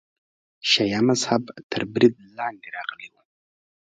شیعه مذهب تر برید لاندې راغلی و.